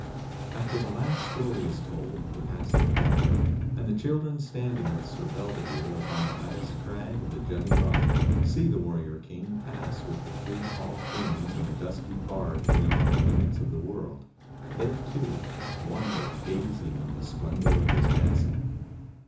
After the last story is told (the Passing of Arthur), and the children standing with Sir Bevidere upon the highest crag of the jutting rock, see the warrior King pass with the three tall queens in the dusky barge beyond the limits of the world, they too, wonder gazing on the splendor of his Passing.